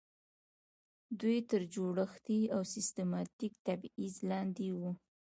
دوی تر جوړښتي او سیستماتیک تبعیض لاندې وو.